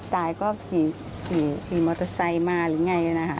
ตายก็ขี่มอเตอร์ไซค์มาหรือไงนะคะ